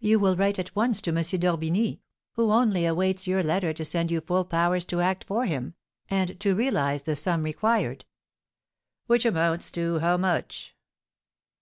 You will write at once to M. d'Orbigny, who only awaits your letter to send you full powers to act for him, and to realise the sum required." "Which amounts to how much?"